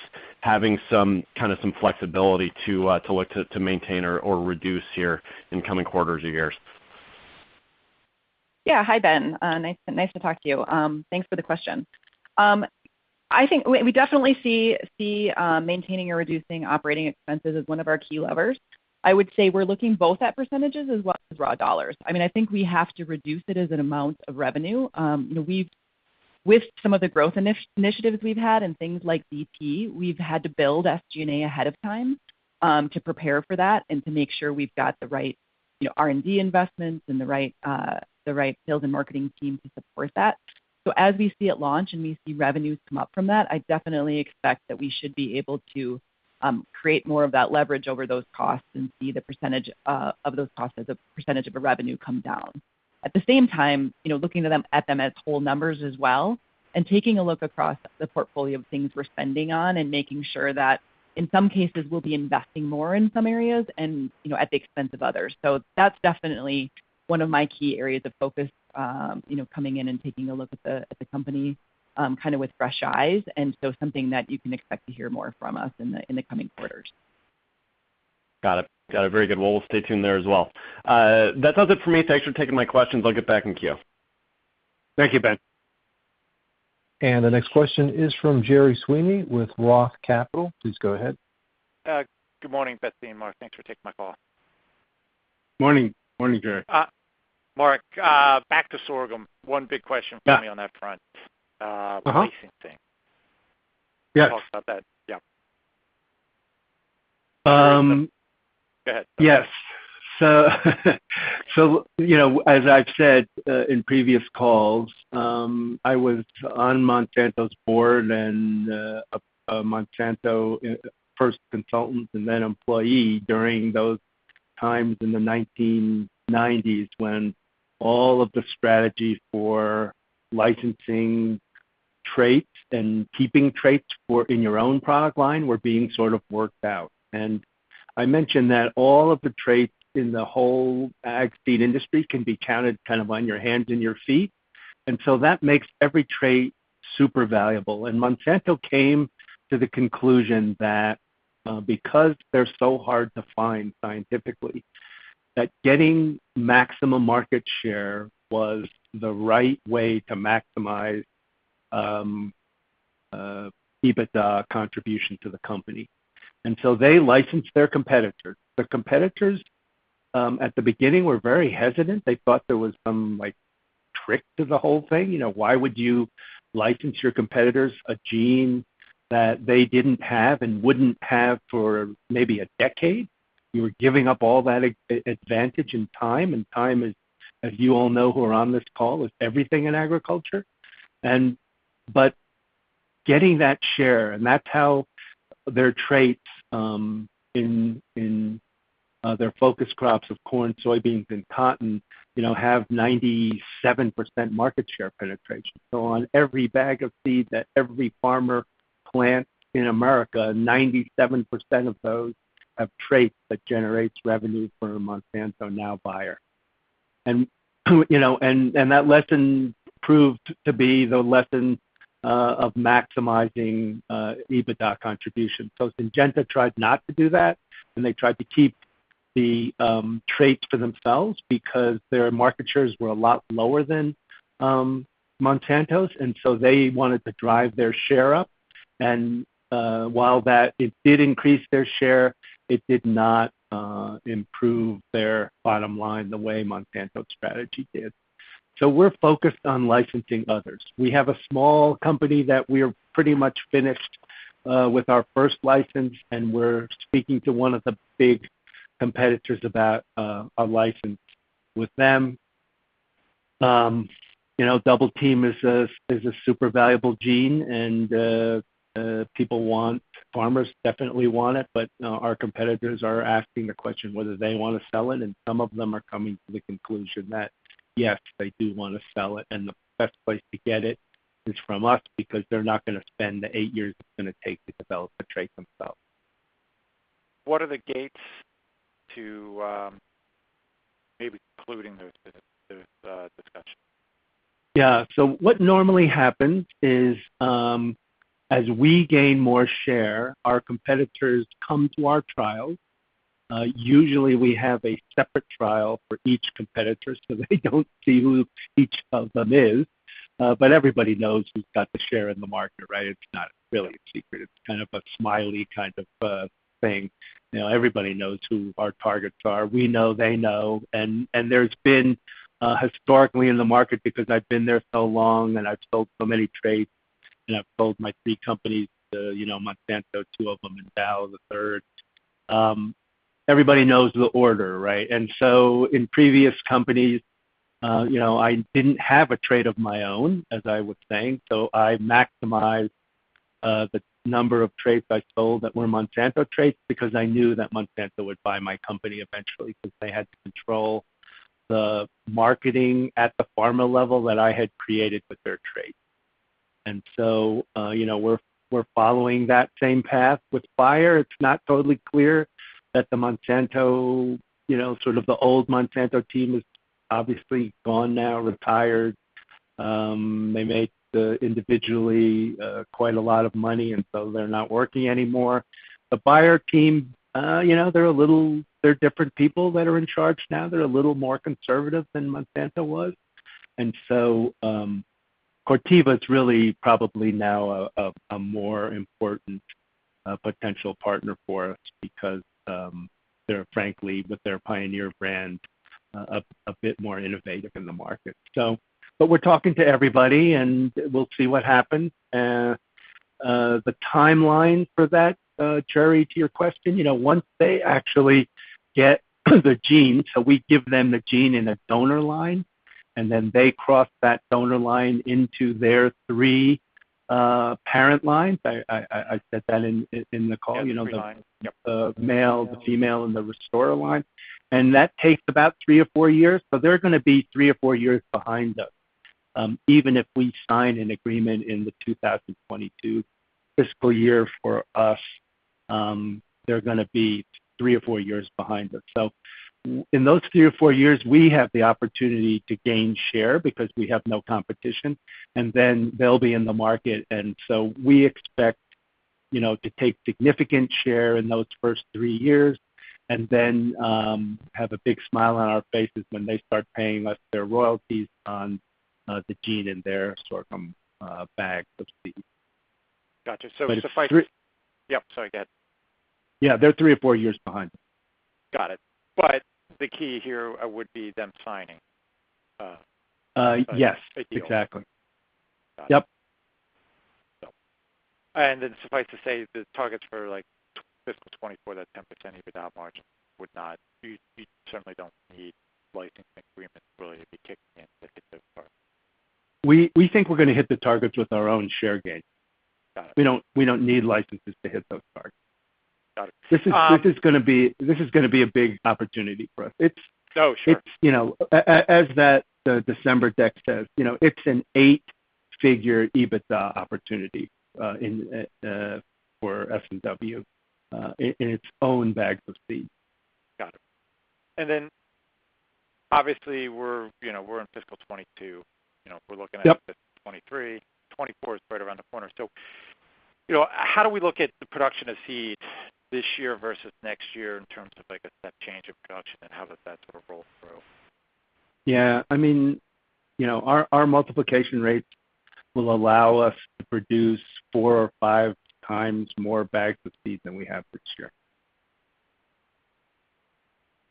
having some kind of flexibility to look to maintain or reduce here in coming quarters or years? Yeah. Hi, Ben. Nice to talk to you. Thanks for the question. I think we definitely see maintaining or reducing operating expenses as one of our key levers. I would say we're looking both at percentages as well as raw dollars. I mean, I think we have to reduce it as an amount of revenue. You know, with some of the growth initiatives we've had and things like Double Team, we've had to build SG&A ahead of time, to prepare for that and to make sure we've got the right, you know, R&D investments and the right sales and marketing team to support that. As we see it launch and we see revenues come up from that, I definitely expect that we should be able to create more of that leverage over those costs and see the percentage of those costs as a percentage of the revenue come down. At the same time, you know, looking at them as whole numbers as well, and taking a look across the portfolio of things we're spending on and making sure that in some cases we'll be investing more in some areas and, you know, at the expense of others. That's definitely one of my key areas of focus, you know, coming in and taking a look at the company kind of with fresh eyes, and so something that you can expect to hear more from us in the coming quarters. Got it. Very good. Well, we'll stay tuned there as well. That's it for me. Thanks for taking my questions. I'll get back in queue. Thank you, Ben. The next question is from Gerry Sweeney with Roth Capital. Please go ahead. Good morning, Betsy and Mark. Thanks for taking my call. Morning. Morning, Gerry. Mark, back to sorghum. One big question. Yeah For me on that front. Uh-huh. Leasing thing. Yes. Talk about that. Yeah. Um- Go ahead. Yes. You know, as I've said in previous calls, I was on Monsanto's board and a Monsanto first consultant and then employee during those times in the 1990s when all of the strategies for licensing traits and keeping traits for in your own product line were being sort of worked out. I mentioned that all of the traits in the whole ag feed industry can be counted kind of on your hands and your feet. That makes every trait super valuable. Monsanto came to the conclusion that because they're so hard to find scientifically, getting maximum market share was the right way to maximize EBITDA contribution to the company. They licensed their competitor. The competitors at the beginning were very hesitant. They thought there was some, like, trick to the whole thing. You know, why would you license your competitors a gene that they didn't have and wouldn't have for maybe a decade? You were giving up all that advantage and time, as you all know, who are on this call, is everything in agriculture. Getting that share, and that's how their traits in their focus crops of corn, soybeans, and cotton, you know, have 97% market share penetration. On every bag of seed that every farmer plants in America, 97% of those have traits that generates revenue for Monsanto, now Bayer. You know, that lesson proved to be the lesson of maximizing EBITDA contribution. Syngenta tried not to do that, and they tried to keep the traits for themselves because their market shares were a lot lower than Monsanto's, and so they wanted to drive their share up. While it did increase their share, it did not improve their bottom line the way Monsanto's strategy did. We're focused on licensing others. We have a small company that we're pretty much finished with our first license, and we're speaking to one of the big competitors about a license with them. You know, Double Team is a super valuable gene, and people want... Farmers definitely want it, but our competitors are asking the question whether they wanna sell it, and some of them are coming to the conclusion that, yes, they do wanna sell it, and the best place to get it is from us because they're not gonna spend the eight years it's gonna take to develop a trait themselves. What are the gates to maybe concluding those discussions? Yeah. What normally happens is, as we gain more share, our competitors come to our trial. Usually, we have a separate trial for each competitor, so they don't see who each of them is. Everybody knows who's got the share in the market, right? It's not really a secret. It's kind of a smiley kind of thing. You know, everybody knows who our targets are. We know, they know. There's been historically in the market because I've been there so long and I've sold so many traits, and I've sold my three companies to, you know, Monsanto, two of them, and Dow, the third. Everybody knows the order, right? In previous companies, you know, I didn't have a trait of my own, as I would think. I maximized the number of traits I sold that were Monsanto traits because I knew that Monsanto would buy my company eventually because they had to control the marketing at the farm level that I had created with their trait. You know, we're following that same path with Bayer. It's not totally clear that the Monsanto, you know, sort of the old Monsanto team is obviously gone now, retired. They made individually quite a lot of money, and so they're not working anymore. The Bayer team, you know, they're different people that are in charge now. They're a little more conservative than Monsanto was. Corteva is really probably now a more important potential partner for us because they're frankly with their Pioneer brand a bit more innovative in the market. We're talking to everybody, and we'll see what happens. The timeline for that, Gerry, to your question, you know, once they actually get the gene, so we give them the gene in a donor line, and then they cross that donor line into their three parent lines. I said that in the call, you know, the- Yep. The male, the female, and the restorer line. That takes about 3 or 4 years. They're gonna be 3 or 4 years behind us. Even if we sign an agreement in the 2022 fiscal year for us, they're gonna be 3 or 4 years behind us. In those 3 or 4 years, we have the opportunity to gain share because we have no competition, and then they'll be in the market. We expect, you know, to take significant share in those first 3 years, and then have a big smile on our faces when they start paying us their royalties on the gene in their sorghum bag of seed. Got you. It's a five- It's three. Yep, sorry. Go ahead. Yeah, they're three or four years behind. Got it. The key here would be them signing, Yes. a deal. Exactly. Got it. Yep. Suffice to say the targets for like fiscal 2024, that 10% EBITDA margin would not. You certainly don't need licensing agreements really to be kicking in to hit those targets. We think we're gonna hit the targets with our own share gain. Got it. We don't need licenses to hit those targets. Got it. This is gonna be a big opportunity for us. Oh, sure. It's, you know, as the December deck says, you know, it's an eight-figure EBITDA opportunity for S&W in its own bags of seed. Got it. Obviously, we're, you know, in fiscal 2022. You know, if we're looking at- Yep. 2023, 2024 is right around the corner. You know, how do we look at the production of seeds this year versus next year in terms of like a step change of production and how does that sort of roll through? Yeah. I mean, you know, our multiplication rates will allow us to produce 4 or 5 times more bags of seed than we have this year.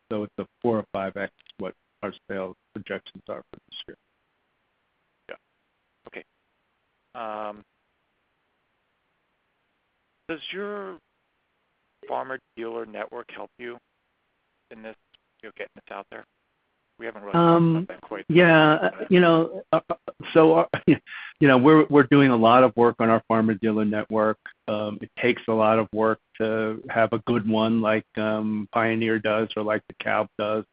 It's a 4 or 5x what our sales projections are for this year. Yeah. Okay. Does your farmer dealer network help you in this, you know, getting this out there? We haven't really talked about that quite yet. Yeah. You know, you know, we're doing a lot of work on our farmer dealer network. It takes a lot of work to have a good one like Pioneer does or like DEKALB does.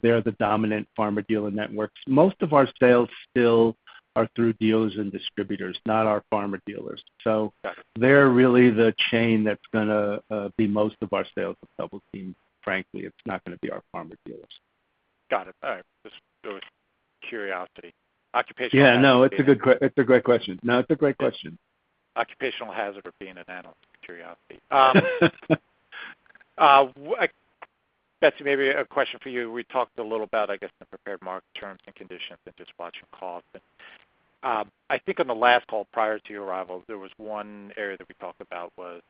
They're the dominant farmer dealer networks. Most of our sales still are through dealers and distributors, not our farmer dealers. Got it. They're really the chain that's gonna be most of our sales of Double Team. Frankly, it's not gonna be our farmer dealers. Got it. All right. Just curiosity. Occupational hazard being Yeah. No, it's a great question. Occupational hazard of being an analyst, curiosity. Betsy, maybe a question for you. We talked a little about, I guess, the prepared market terms and conditions and just watching costs. I think on the last call prior to your arrival, there was one area that we talked about was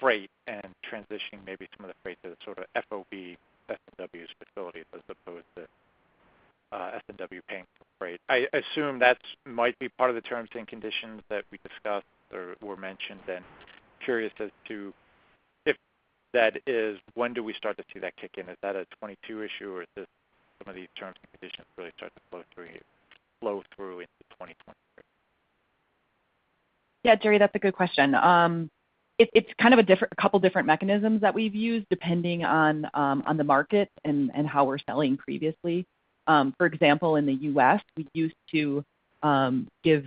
freight and transitioning maybe some of the freight to the sort of FOB S&W's facility as opposed to S&W paying for freight. I assume that's might be part of the terms and conditions that we discussed or were mentioned then. Curious as to if that is, when do we start to see that kick in? Is that a 2022 issue or is this some of these terms and conditions really start to flow through into 2023? Yeah, Gerry, that's a good question. It's kind of a couple different mechanisms that we've used depending on the market and how we're selling previously. For example, in the U.S., we used to give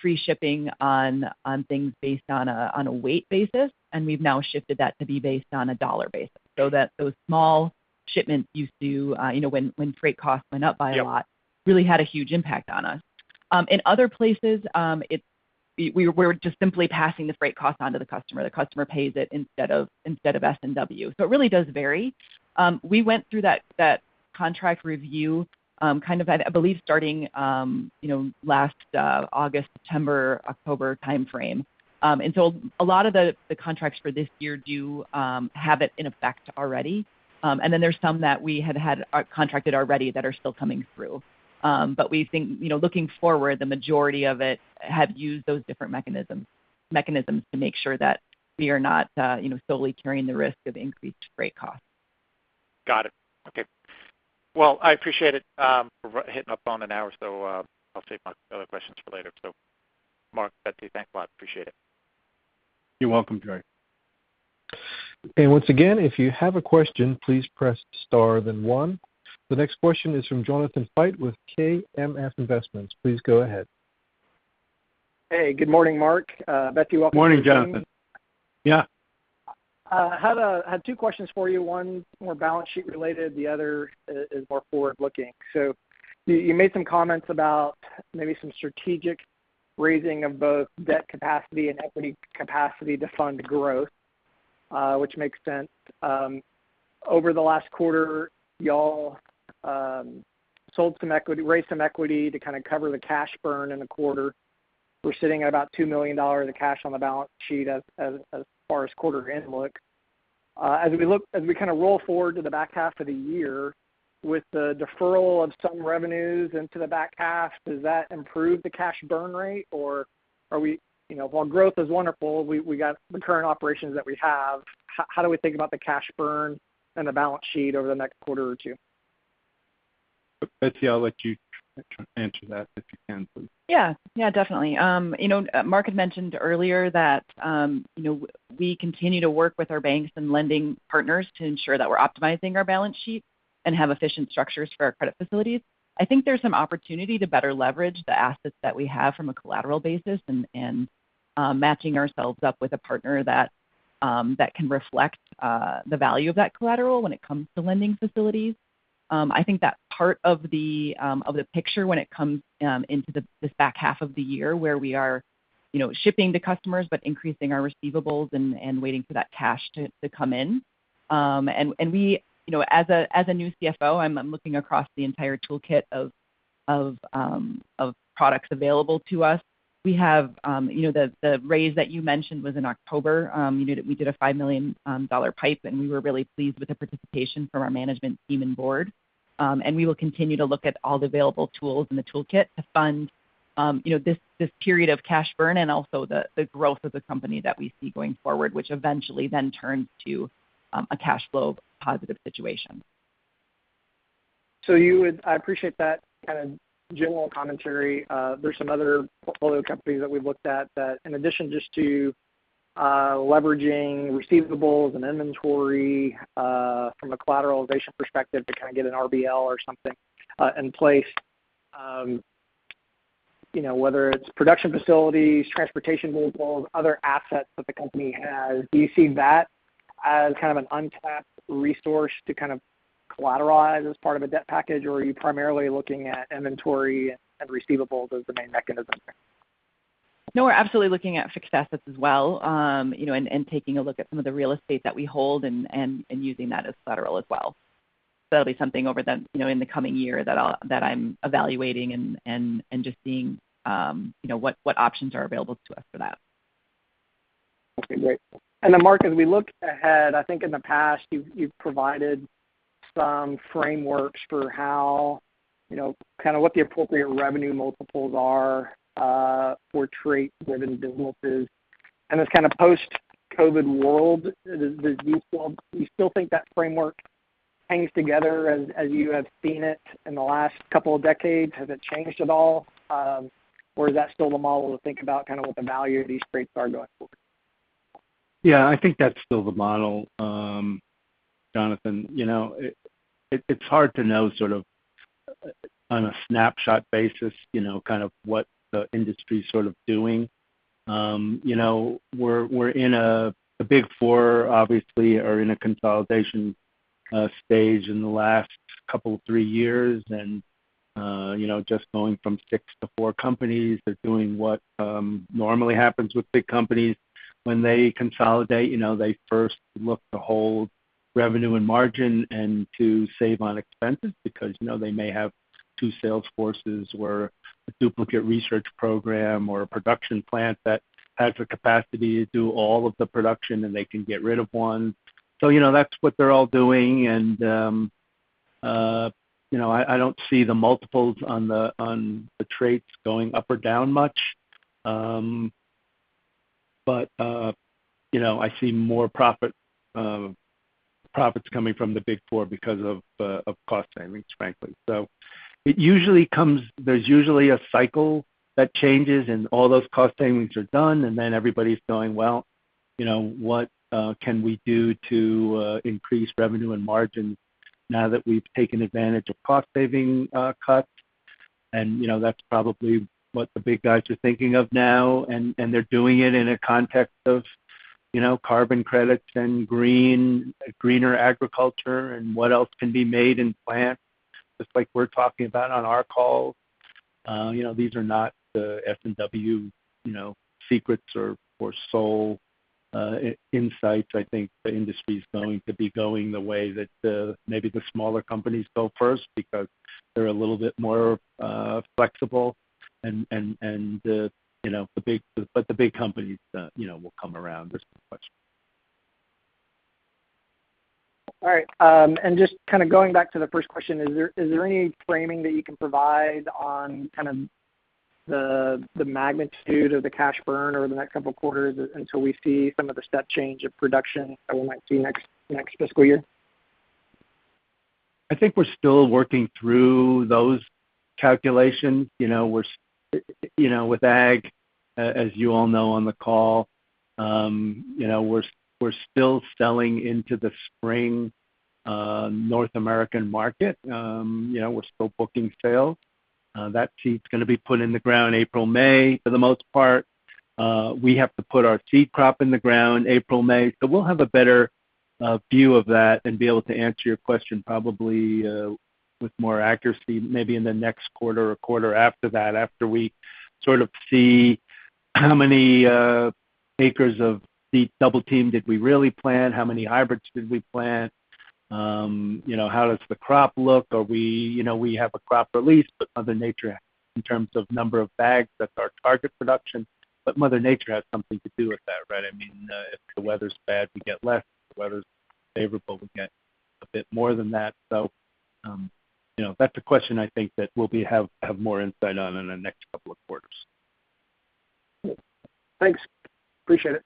free shipping on things based on a weight basis, and we've now shifted that to be based on a dollar basis so that those small shipments used to, you know, when freight costs went up by a lot. Yep It really had a huge impact on us. In other places, we're just simply passing the freight cost on to the customer. The customer pays it instead of S&W. It really does vary. We went through that contract review kind of at I believe starting you know last August, September, October timeframe. A lot of the contracts for this year do have it in effect already. Then there's some that we had contracted already that are still coming through. We think you know looking forward the majority of it have used those different mechanisms to make sure that we are not you know solely carrying the risk of increased freight costs. Got it. Okay. Well I appreciate it. We're hitting up on an hour, so, I'll save my other questions for later. Mark, Betsy, thanks a lot. Appreciate it. You're welcome, Gerry. Once again, if you have a question, please press star then one. The next question is from Jonathon Fite with KMF Investments. Please go ahead. Hey, good morning, Mark. Betsy- Morning, Jonathon. Yeah. I had two questions for you. One more balance sheet related, the other is more forward-looking. You made some comments about maybe some strategic raising of both debt capacity and equity capacity to fund growth, which makes sense. Over the last quarter, y'all raised some equity to kinda cover the cash burn in the quarter. We're sitting at about $2 million of cash on the balance sheet as far as quarter end look. As we kinda roll forward to the back half of the year, with the deferral of some revenues into the back half, does that improve the cash burn rate, or are we? You know, while growth is wonderful, we got the current operations that we have, how do we think about the cash burn and the balance sheet over the next quarter or two? Betsy, I'll let you try and answer that if you can, please Yeah. Yeah, definitely. Mark had mentioned earlier that, you know, we continue to work with our banks and lending partners to ensure that we're optimizing our balance sheet and have efficient structures for our credit facilities. I think there's some opportunity to better leverage the assets that we have from a collateral basis and matching ourselves up with a partner that can reflect the value of that collateral when it comes to lending facilities. I think that part of the picture when it comes into the back half of the year where we are, you know, shipping to customers, but increasing our receivables and waiting for that cash to come in. You know, as a new CFO, I'm looking across the entire toolkit of products available to us. We have, you know, the raise that you mentioned was in October. We did a $5 million PIPE, and we were really pleased with the participation from our management team and board. We will continue to look at all the available tools in the toolkit to fund, you know, this period of cash burn and also the growth of the company that we see going forward, which eventually then turns to a cash flow positive situation. You would appreciate that kind of general commentary. There's some other portfolio companies that we've looked at that in addition just to leveraging receivables and inventory from a collateralization perspective to kind a get an RBL or something in place. You know, whether it's production facilities, transportation movables, other assets that the company has. Do you see that as kind of an untapped resource to kind of collateralize as part of a debt package, or are you primarily looking at inventory and receivables as the main mechanism there? No, we're absolutely looking at fixed assets as well, you know, and taking a look at some of the real estate that we hold and using that as collateral as well. So that'll be something over the, you know, in the coming year that I'm evaluating and just seeing, you know, what options are available to us for that. Okay, great. Then Mark, as we look ahead, I think in the past you've provided some frameworks for how, you know, kind a what the appropriate revenue multiples are, for trait-driven businesses. In this kind a post-COVID world, is this useful? Do you still think that framework hangs together as you have seen it in the last couple of decades? Has it changed at all? Or is that still the model to think about kind a what the value of these traits are going forward? Yeah, I think that's still the model, Jonathon. You know, it's hard to know sort of on a snapshot basis, you know, kind of what the industry's sort of doing. You know, the big four obviously are in a consolidation stage in the last couple, 3 years and, you know, just going from 6 to 4 companies. They're doing what normally happens with big companies when they consolidate. You know, they first look to hold revenue and margin and to save on expenses because, you know, they may have 2 sales forces or a duplicate research program or a production plant that has the capacity to do all of the production, and they can get rid of one. You know, that's what they're all doing and I don't see the multiples on the traits going up or down much. But you know, I see more profits coming from the big four because of cost savings, frankly. It usually comes. There's usually a cycle that changes, and all those cost savings are done, and then everybody's going, "Well, you know, what can we do to increase revenue and margin now that we've taken advantage of cost saving cuts?" You know, that's probably what the big guys are thinking of now, and they're doing it in a context of you know, carbon credits and greener agriculture and what else can be made in plants, just like we're talking about on our call. You know, these are not the S&W secrets or sole insights. I think the industry's going to be going the way that maybe the smaller companies go first because they're a little bit more flexible. You know, the big companies will come around. There's no question. All right. Just kinda going back to the first question, is there any framing that you can provide on kind of the magnitude of the cash burn over the next couple of quarters until we see some of the step change of production that we might see next fiscal year? I think we're still working through those calculations. You know, we're, you know, with ag, as you all know on the call, you know, we're still selling into the spring, North American market. You know, we're still booking sales. That seed's gonna be put in the ground April, May, for the most part. We have to put our seed crop in the ground April, May. We'll have a better view of that and be able to answer your question probably with more accuracy maybe in the next quarter or quarter after that, after we sort of see how many acres of the Double Team did we really plant, how many hybrids did we plant. You know, how does the crop look? Are we You know, we have a crop release, but mother nature, in terms of number of bags, that's our target production, but mother nature has something to do with that, right? I mean, if the weather's bad, we get less. If the weather's favorable, we get a bit more than that. You know, that's a question I think that we'll have more insight on in the next couple of quarters. Thanks. Appreciate it.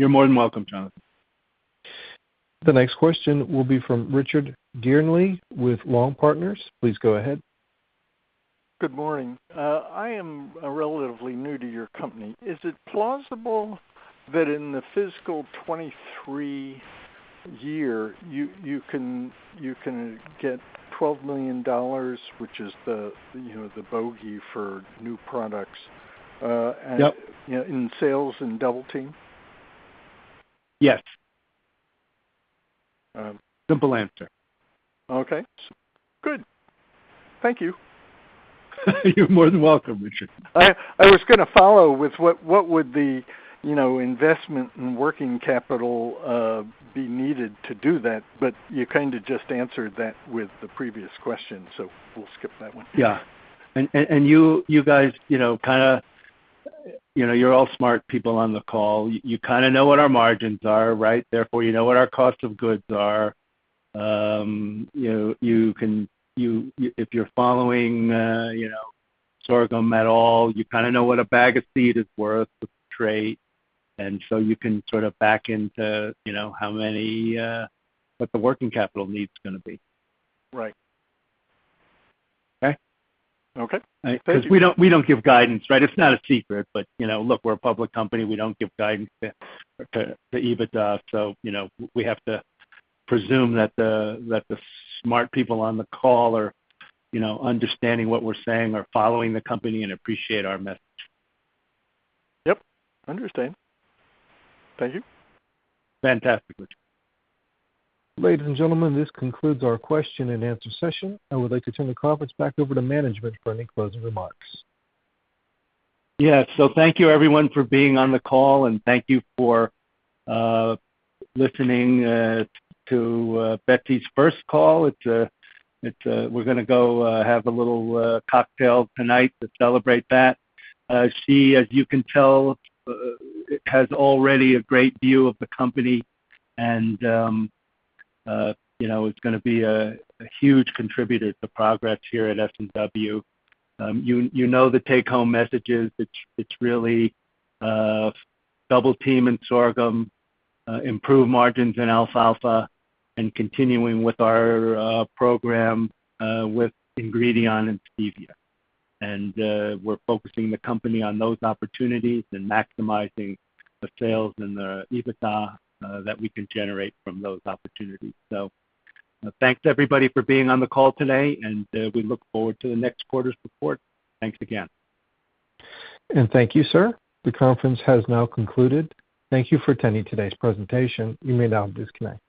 You're more than welcome, Jonathon. The next question will be from Richard Dearnley with Longport Partners. Please go ahead. Good morning. I am relatively new to your company. Is it plausible that in the fiscal 2023 year, you can get $12 million, which is the, you know, the bogey for new products, and Yep. You know, in sales in Double Team? Yes. Um- Simple answer. Okay. Good. Thank you. You're more than welcome, Richard. I was gonna follow with what would the, you know, investment in working capital be needed to do that, but you kinda just answered that with the previous question, so we'll skip that one. You guys, you know. You know, you're all smart people on the call. You kinda know what our margins are, right? Therefore, you know what our cost of goods are. You know, you can. If you're following sorghum at all, you kinda know what a bag of seed is worth, the trade, and so you can sort of back into, you know, how many, what the working capital need's gonna be. Right. Okay? Okay. Thank you. 'Cause we don't give guidance, right? It's not a secret, but, you know, look, we're a public company. We don't give guidance to EBITDA. So, you know, we have to presume that the smart people on the call are, you know, understanding what we're saying or following the company and appreciate our message. Yep. Understand. Thank you. Fantastic, Richard. Ladies and gentlemen, this concludes our question and answer session. I would like to turn the conference back over to management for any closing remarks. Yeah. Thank you everyone for being on the call, and thank you for listening to Betsy's first call. It's We're gonna go have a little cocktail tonight to celebrate that. She, as you can tell, has already a great view of the company and, you know, is gonna be a huge contributor to progress here at S&W. You know the take-home messages. It's really Double Team and sorghum improve margins in alfalfa, and continuing with our program with Ingredion and Stevia. We're focusing the company on those opportunities and maximizing the sales and the EBITDA that we can generate from those opportunities. Thanks everybody for being on the call today, and we look forward to the next quarter's report. Thanks again. Thank you, sir. The conference has now concluded. Thank you for attending today's presentation. You may now disconnect.